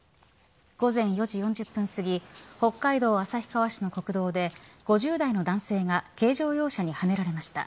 午前４時４０分すぎ北海道旭川市の国道で５０代の男性が軽乗用車にはねられました。